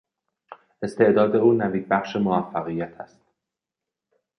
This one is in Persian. استعداد او نویدبخش موفقیت است.